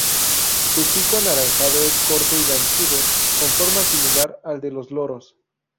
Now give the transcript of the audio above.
Su pico anaranjado es corto y ganchudo, con forma similar al de los loros.